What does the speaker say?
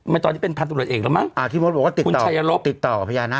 ไม่ตอนนี้เป็นพันธุรกิจเอกแล้วมั้งอ่าที่มดบอกว่าติดต่อติดต่อพญานาคต์